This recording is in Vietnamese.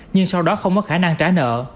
nhưng sau đó không có khả năng trả nợ